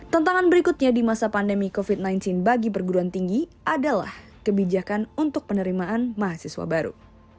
tentangan berikutnya di masa pandemi covid sembilan belas bagi perguruan tinggi adalah kebijakan untuk penerimaan mahasiswa baru